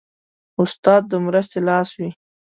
استاد د مرستې لاس وي.